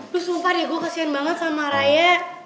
lu sumpah deh gue kesian banget sama rayek